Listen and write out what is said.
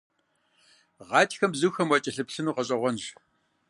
Гъатхэм бзухэм уакӀэлъыплъыну гъэщӀэгъуэнщ.